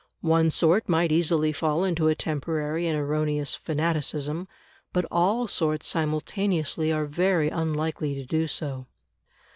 One sort might easily fall into a temporary and erroneous fanaticism, but all sorts simultaneously are very unlikely to do so.